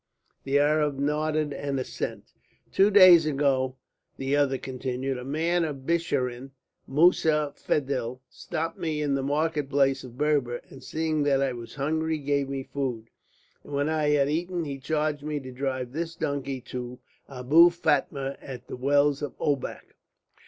The Arab nodded an assent. "Two days ago," the other continued, "a man of the Bisharin, Moussa Fedil, stopped me in the market place of Berber, and seeing that I was hungry, gave me food. And when I had eaten he charged me to drive this donkey to Abou Fatma at the wells of Obak."